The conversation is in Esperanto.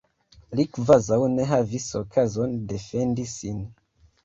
Li kvazaŭ ne havis okazon defendi sin.